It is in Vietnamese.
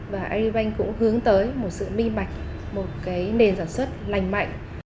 và aribank cũng hướng tới một sự minh bạch một nền sản xuất lành mạnh